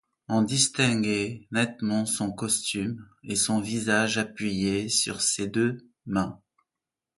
On distinguait nettement son costume, et son visage appuyé sur ses deux mains.